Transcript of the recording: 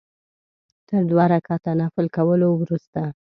تر دوه رکعته نفل کولو وروسته.